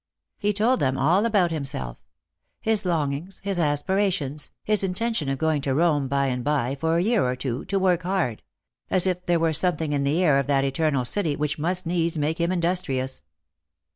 He told them all about himself ; his longings, his aspirations, his intention of going to ijosi jor Jjove. 29 Rome by and by for a year or two, to work hard ; as if there were something in the air of that eternal city which must needs make him industrious.